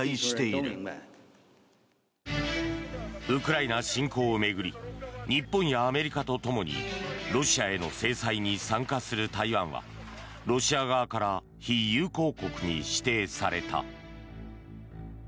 ウクライナ侵攻を巡り日本やアメリカとともにロシアへの制裁に参加する台湾はロシア側から非友好国に指定された。